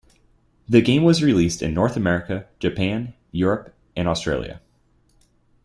The game was released in North America, Japan, Europe and Australia.